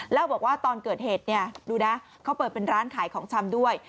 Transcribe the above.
แล้วบอกว่าตอนเกิดเหตุเนี่ยดูนะเขาเปิดเป็นร้านขายของชำด้วย